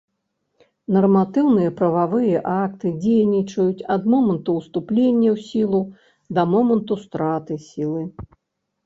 Нарматыўныя прававыя акты дзейнічаюць ад моманту ўступлення ў сілу да моманту страты сілы.